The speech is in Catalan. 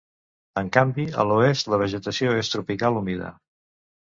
En canvi a l'oest la vegetació és tropical humida.